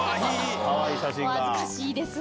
お恥ずかしいですね。